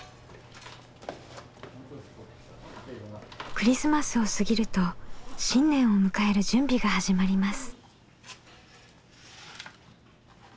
クリスマスを過ぎると新年を迎える準備が始まります。